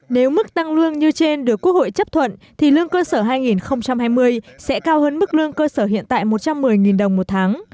nếu mức tăng lương như trên được quốc hội chấp thuận thì lương cơ sở hai nghìn hai mươi sẽ cao hơn mức lương cơ sở hiện tại một trăm một mươi đồng một tháng